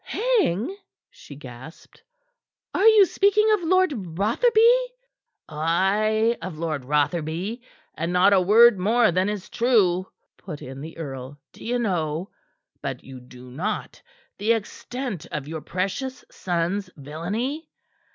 "Hang?" she gasped. "Are you speaking of Lord Rotherby?" "Ay, of Lord Rotherby and not a word more than is true," put in the earl. "Do you know but you do not the extent of your precious son's villainy?